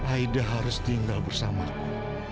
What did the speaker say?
aida harus tinggal bersamaku